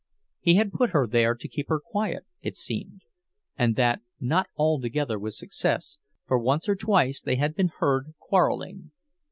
He had put her there to keep her quiet, it seemed—and that not altogether with success, for once or twice they had been heard quarreling.